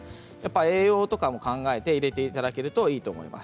栄養とかも考えて入れていただけるといいと思います。